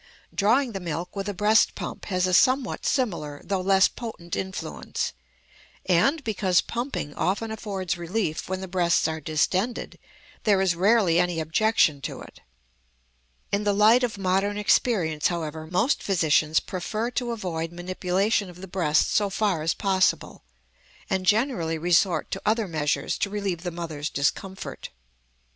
Drawing the milk with a breast pump has a somewhat similar though less potent influence, and, because pumping often affords relief when the breasts are distended, there is rarely any objection to it. In the light of modern experience, however, most physicians prefer to avoid manipulation of the breast so far as possible, and generally resort to other measures to relieve the mother's discomfort.